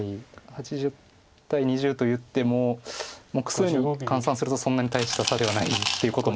８０対２０といっても目数に換算するとそんなに大した差ではないということも多いので。